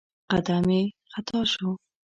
قدم يې خطا شو.